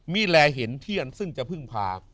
มีแลเห็นเทียนซึ่งจะพึ่งพา